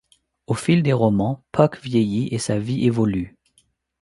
Au fil des romans, Puck vieillit et sa vie évolue.